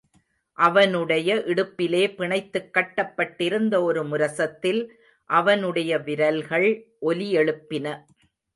அவனுடைய இடுப்பிலே பிணைத்துக் கட்டப் பட்டிருந்த ஒரு முரசத்தில் அவனுடைய விரல்கள் ஒலியெழுப்பின.